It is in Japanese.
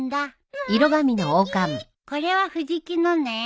これは藤木のね。